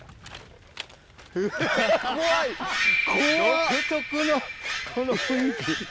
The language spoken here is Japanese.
独特のこの雰囲気。